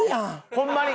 ホンマに。